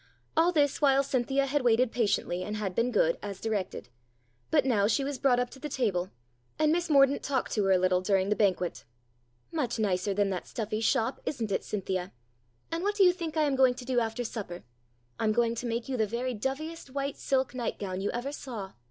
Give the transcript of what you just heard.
All this while Cynthia had waited patiently, and had been good, as directed ; but now she was brought up to the table, and Miss Mordaunt talked to her a little during the banquet. "Much nicer than that stuffy shop, isn't it, Cynthia ? And what do you think I am going to do after supper? I'm going to make you the very doviest white silk nightgown you ever saw.